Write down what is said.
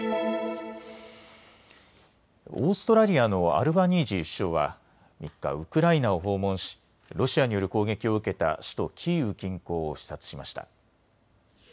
オーストラリアのアルバニージー首相は３日、ウクライナを訪問しロシアによる攻撃を受けた首都キーウ近郊を視察しました。